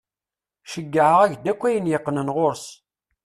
Cceyɛeɣ-ak-d akk ayen yeqqnen ɣur-s.